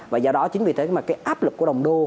và do đó chính vì thế mà cái áp lực của đồng đô